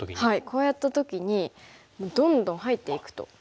こうやった時にどんどん入っていくとどうすれば？